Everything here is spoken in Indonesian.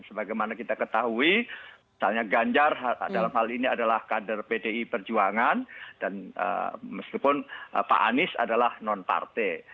sebagaimana kita ketahui misalnya ganjar dalam hal ini adalah kader pdi perjuangan dan meskipun pak anies adalah non partai